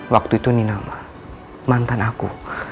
waktu itu ninama mantan aku